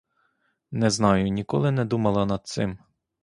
Не знаю, ніколи не думала над цим.